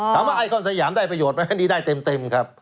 ไอคอนสยามได้ประโยชน์ไหมอันนี้ได้เต็มครับ